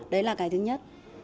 đấy là cái thứ nhất